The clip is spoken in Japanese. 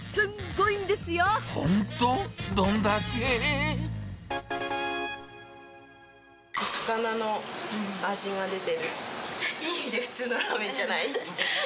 いい意味で普通のラーメンじゃない。